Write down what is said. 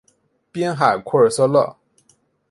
滨海库尔瑟勒。